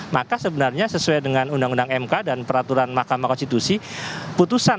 maka sebenarnya sesuai dengan undang undang mk dan peraturan mahkamah konstitusi putusan